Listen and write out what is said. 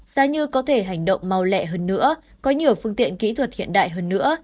giá như có thể hành động mau lẹ hơn nữa có nhiều phương tiện kỹ thuật hiện đại hơn nữa